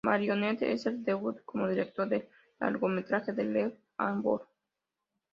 Marionette es el debut como director de largometrajes de Lee Han-wook.